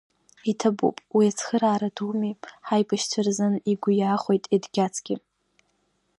Иҭабуп, уи цхыраара думи ҳаибашьцәа рзын, игәы иахәеит Едгьацгьы.